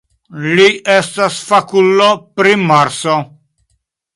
Li estas fakulo pri Marso.